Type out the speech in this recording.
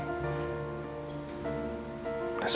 saya pasti akan membantunya